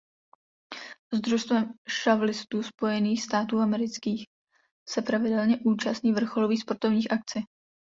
S družstvem šavlistů Spojeným států amerických se pravidelně účastní vrcholných sportovních akcí.